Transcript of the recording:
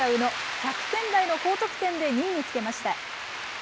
１００点台の高得点で２位につけました。